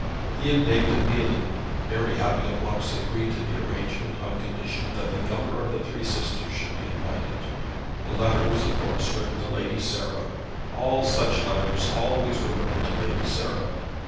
He had named Amelia, Mary having at once agreed to the arrangement, on condition that the younger of the three sisters should be invited. The letter was of course written to Lady Sarah. All such letters always were written to Lady Sarah.